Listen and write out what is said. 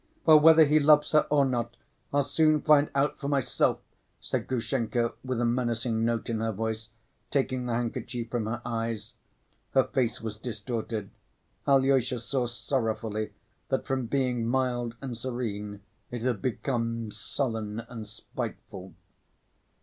"Well, whether he loves her or not, I'll soon find out for myself," said Grushenka, with a menacing note in her voice, taking the handkerchief from her eyes. Her face was distorted. Alyosha saw sorrowfully that from being mild and serene, it had become sullen and spiteful.